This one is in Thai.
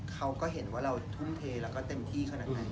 เขาก็เห็นว่าเราทุ่มเทแล้วก็เต็มที่ขนาดไหน